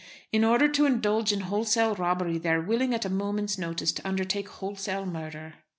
In order to indulge in wholesale robbery they are willing at a moment's notice to undertake wholesale murder."